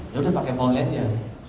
ya udah pakai mal lainnya